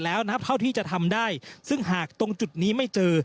แล้วนะเท่าที่จะทำได้ซึ่งหากตรงจุดนี้ไม่เจอ